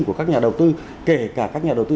của các nhà đầu tư kể cả các nhà đầu tư